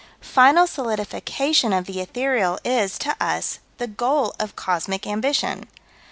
Final solidification of the ethereal is, to us, the goal of cosmic ambition.